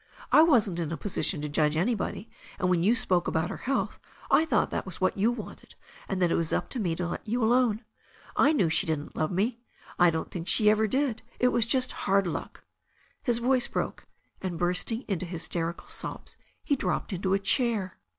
I wasn't in a position to judge any body, and when you spoke about her health I thought that was what you wanted, and that it was up to me to let you alone. I knew she didn't love me — I don't think she ever did — it was just hard luck His voice broke, and bursting into hysterical sobs, he dropped into a chair.